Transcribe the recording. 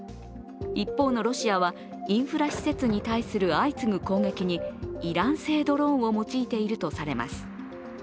一方のロシアはインフラ施設に対する相次ぐ攻撃にイラン製ドローンを用いているとされています。